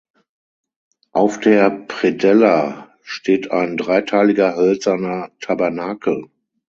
Auf der Predella steht ein dreiteiliger hölzerner Tabernakel.